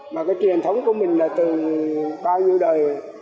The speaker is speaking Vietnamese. mà cái truyền thống của mình là từ bao nhiêu đời